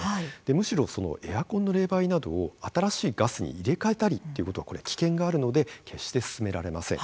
むしろエアコンの冷媒などを新しいガスに入れ替えたりということはこれ危険があるので決して勧められません。